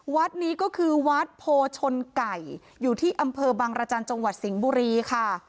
วัดนี้ก็คือวัดโพชนไก่อยู่ที่อำเภอบังรจันทร์จังหวัดสิงห์บุรีค่ะ